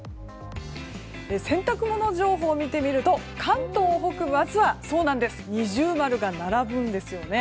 洗濯物情報を見てみると関東北部、明日は二重丸が並ぶんですね。